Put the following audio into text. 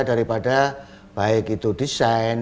daripada baik itu desain